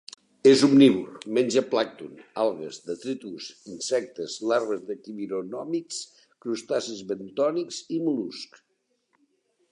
És omnívor: menja plàncton, algues, detritus, insectes, larves de quironòmids, crustacis bentònics i mol·luscs.